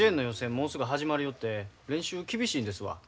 もうすぐ始まるよって練習厳しいんですわ。